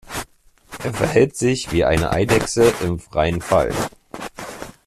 Er verhält sich wie eine Eidechse im freien Fall.